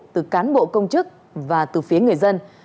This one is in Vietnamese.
từ cán bộ công chức và từ phía người dân